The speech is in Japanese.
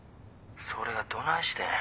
それがどないしてん。